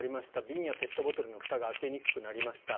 瓶やペットボトルのふたが開けにくくなりました